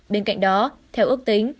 bên cạnh đó theo ước tính